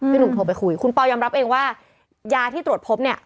หนุ่มโทรไปคุยคุณปอยอมรับเองว่ายาที่ตรวจพบเนี่ย